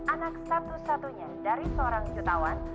anak satu satunya dari seorang jutawan